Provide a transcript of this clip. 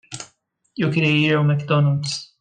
Eu queria ir ao McDonald's.